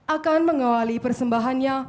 akan mengawali persembahannya